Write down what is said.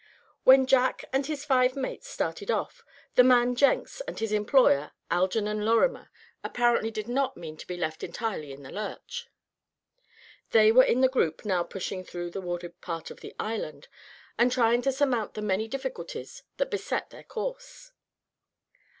When Jack and his five mates started off, the man Jenks, and his employer, Algernon Lorrimer, apparently did not mean to be left entirely in the lurch. They were in the group now pushing through the wooded part of the island, and trying to surmount the many difficulties that beset their course.